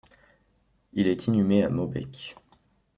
Il est inhumé à Mobecq.